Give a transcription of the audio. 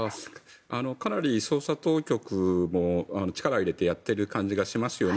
かなり捜査当局も力を入れてやっている感じがしますよね。